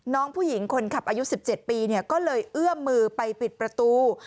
น้องผู้หญิงคนขับอายุ๑๗ปีก็เลยเอื้อมมือไปปิดประตู